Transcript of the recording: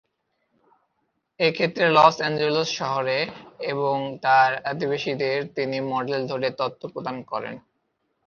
এক্ষেত্রে Los Angeles শহর এবং তাঁর অধিবাসীদের তিনি মডেল ধরে তত্ত্ব প্রদান করেন।